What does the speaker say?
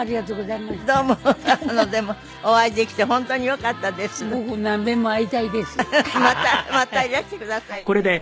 またいらしてくださいね。